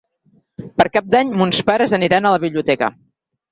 Per Cap d'Any mons pares aniran a la biblioteca.